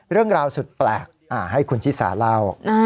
เรื่องราวสุดแปลกให้คุณชิสาเล่า